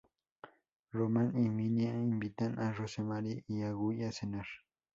Roman y Minnie invitan a Rosemary y a Guy a cenar.